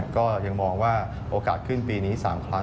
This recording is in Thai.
ก็ยังมองว่าโอกาสขึ้นปีนี้๓ครั้ง